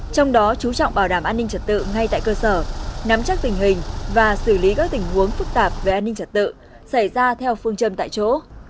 trong đó chú trọng bảo đảm an ninh trật tự ngay tại cơ sở nắm chắc tình hình và xử lý các tình huống phức tạp về an ninh trật tự xảy ra theo phương châm tại chỗ